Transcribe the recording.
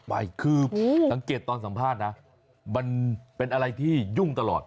ไปคือสังเกตตอนสัมภาษณ์นะมันเป็นอะไรที่ยุ่งตลอด